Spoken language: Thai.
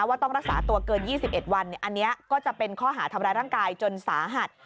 ว่าต้องรักษาตัวเกิน๒๑วันอันนี้ก็จะเป็นข้อหาทำร้ายร่างกายจนสาหัส